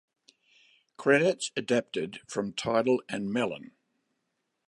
Credits adapted from Tidal and Melon.